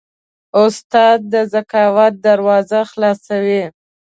استاد د ذکاوت دروازه خلاصوي.